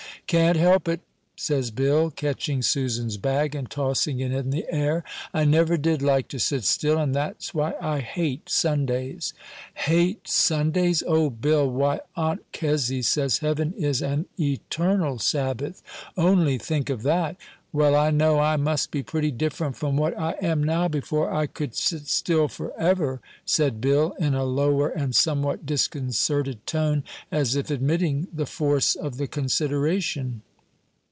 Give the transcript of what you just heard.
"Can't help it," says Bill, catching Susan's bag, and tossing it in the air; "I never did like to sit still, and that's why I hate Sundays." "Hate Sundays! O Bill! Why, Aunt Kezzy says heaven is an eternal Sabbath only think of that!" "Well, I know I must be pretty different from what I am now before I could sit still forever," said Bill, in a lower and somewhat disconcerted tone, as if admitting the force of the consideration.